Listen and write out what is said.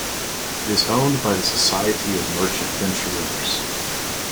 It is owned by the Society of Merchant Venturers.